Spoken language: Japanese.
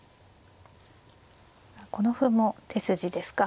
この歩も手筋ですか。